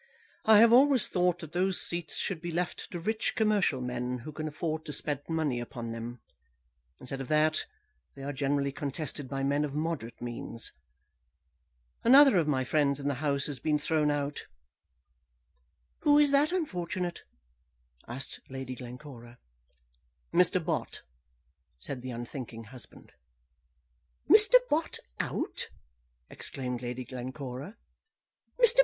"I have always thought that those seats should be left to rich commercial men who can afford to spend money upon them. Instead of that, they are generally contested by men of moderate means. Another of my friends in the House has been thrown out." "Who is that unfortunate?" asked Lady Glencora. "Mr. Bott," said the unthinking husband. "Mr. Bott out!" exclaimed Lady Glencora. "Mr.